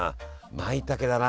まいたけだな。